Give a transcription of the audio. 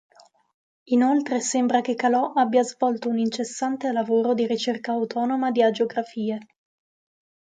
Inoltre sembra che Calò abbia svolto un incessante lavoro di ricerca autonoma di agiografie.